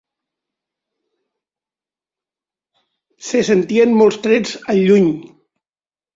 Se sentien molts trets, al lluny